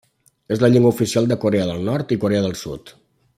És la llengua oficial de Corea del Nord i Corea del Sud.